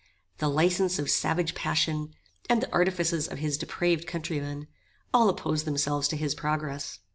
The licence of savage passion, and the artifices of his depraved countrymen, all opposed themselves to his progress.